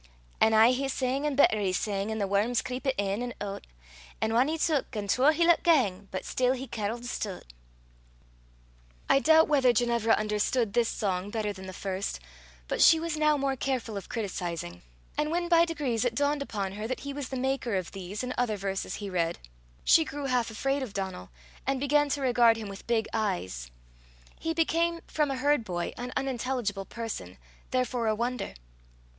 And aye he sang, an' better he sang, An' the worms creepit in an' oot; An' ane he tuik, an' twa he loot gang, But still he carolled stoot. I doubt whether Ginevra understood this song better than the first, but she was now more careful of criticizing; and when by degrees it dawned upon her that he was the maker of these and other verses he read, she grew half afraid of Donal, and began to regard him with big eyes; he became, from a herd boy, an unintelligible person, therefore a wonder.